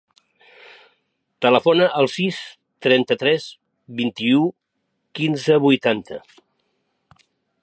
Telefona al sis, trenta-tres, vint-i-u, quinze, vuitanta.